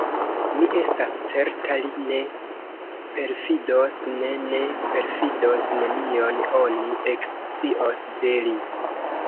Mi estas certa, li ne perfidos, ne, ne perfidos: nenion oni ekscios de li.